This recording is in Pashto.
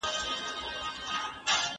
پر هغې ورځي لعنت سمه ویلای